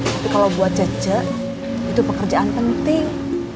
tapi kalau buat jaja itu pekerjaan penting